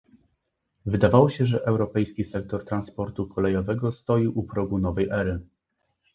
Wydawało się, że europejski sektor transportu kolejowego stoi u progu nowej ery